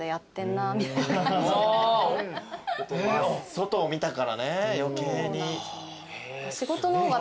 外を見たからね余計に。